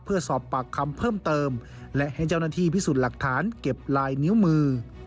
เพื่อสอบปากคำเพิ่มเติมและให้เจ้าหน้าที่พิสูจน์หลักฐานเก็บลายนิ้วมือ